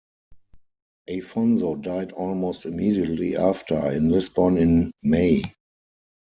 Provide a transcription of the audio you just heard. Afonso died almost immediately after, in Lisbon in May.